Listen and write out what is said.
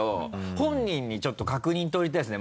本人にちょっと確認取りたいですね。